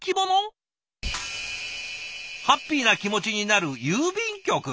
「ハッピーな気持ちになる郵便局」！？